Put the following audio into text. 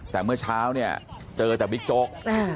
แต่เมื่อเช้าเนี่ยเจอแต่บิ๊กโจ๊ก